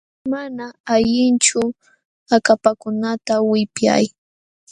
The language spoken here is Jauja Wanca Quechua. Mana allinchu akapakunata wipyay.